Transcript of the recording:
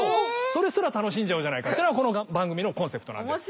それすら楽しんじゃおうじゃないかってのがこの番組のコンセプトなんです。